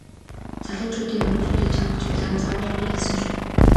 Залуучуудыг онгоц хүлээж авах цуглаанд заавал бай гэсэн шүү.